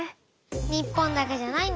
日本だけじゃないんだよ。